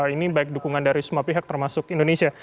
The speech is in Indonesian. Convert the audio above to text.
ini baik dukungan dari semua pihak termasuk indonesia